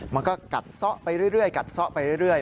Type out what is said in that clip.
มันก็กัดซะไปเรื่อย